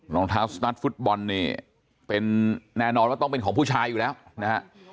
รองเท้าสตาร์ทฟุตบอลนี่เป็นแน่นอนว่าต้องเป็นของผู้ชายอยู่แล้วนะฮะ